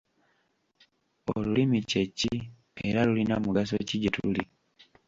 Olulimi kye ki era lulina mugaso ki gye tuli?